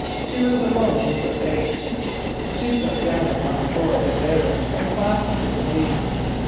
She was alone with her fate. She slipped down upon the floor of the carriage and clasped his knees.